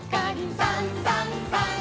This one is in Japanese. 「さんさんさん」